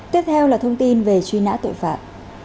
tiếp theo là thông tin về truy nã tội phạm